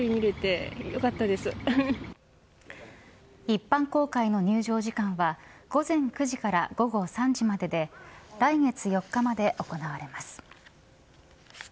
一般公開の入場時間は午前９時から午後３時までで来月４日まで行われます。